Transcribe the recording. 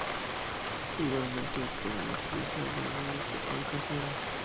Igualmente se pueden utilizar rebanadas de pan casero.